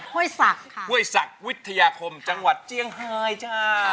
เฮ้ยศักดิ์วิทยาคมจังหวัดเจียงฮายเจ้า